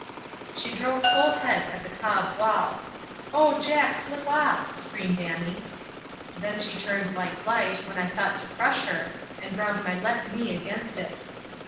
She drove full head at the cob wall "Oh, Jack, slip off!" screamed Annie then she turned like light, when I thought to crush her, and ground my left knee against it.